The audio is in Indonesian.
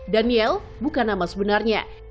daniel bukan nama sebenarnya